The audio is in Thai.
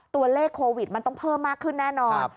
ตัวเลขโควิดมันต้องเพิ่มมากขึ้นแน่นอน